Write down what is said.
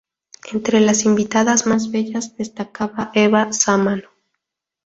Entre las invitadas más bellas destacaba Eva Sámano.